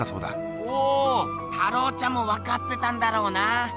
おお太郎ちゃんもわかってたんだろうな。